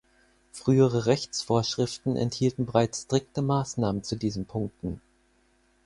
Frühere Rechtsvorschriften enthielten bereits strikte Maßnahmen zu diesen Punkten.